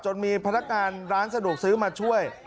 มีพนักงานร้านสะดวกซื้อมาช่วย